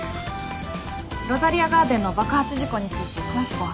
ロザリアガーデンの爆発事故について詳しくお話を。